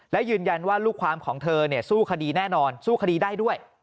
และยืนยันว่าลูกความของเธอสู้คดีแน่นอนสู้คดีได้ด้วย